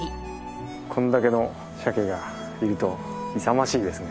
これだけのサケがいると勇ましいですね。